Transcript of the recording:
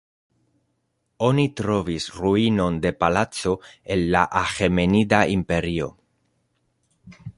Oni trovis ruinojn de palaco el la Aĥemenida Imperio.